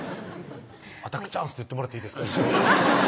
「アタックチャンス‼」って言ってもらっていいですか？